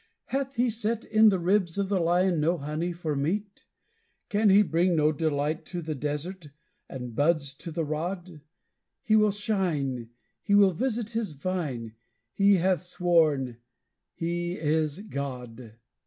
Hath he set in the ribs of the lion no honey for meat? Can he bring not delight to the desert, and buds to the rod? He will shine, he will visit his vine; he hath sworn, he is God!"